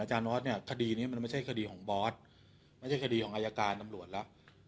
ออสเนี่ยคดีนี้มันไม่ใช่คดีของบอสไม่ใช่คดีของอายการตำรวจแล้ว